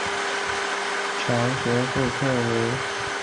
乔玄副克里介为荆花介科副克里介属下的一个种。